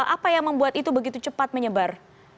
apa yang membuat itu begitu cepat menyebar